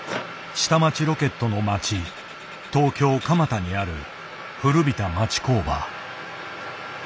「下町ロケット」の町東京・蒲田にある古びた町工場。